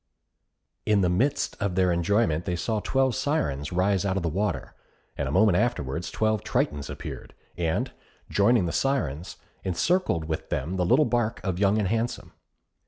In the midst of their enjoyment they saw twelve Syrens rise out of the water, and a moment afterwards twelve Tritons appeared, and joining the Syrens, encircled with them the little barque of Young and Handsome.